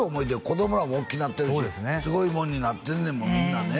子供らもおっきいなってるしすごいもんになってんねんもんみんなね